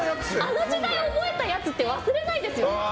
あの時代覚えたやつって忘れないですよね。